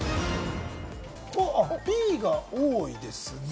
Ｂが多いですね。